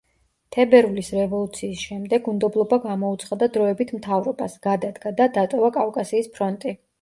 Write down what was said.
თებერვლის რევოლუციის შემდეგ უნდობლობა გამოუცხადა დროებით მთავრობას, გადადგა და დატოვა კავკასიის ფრონტი.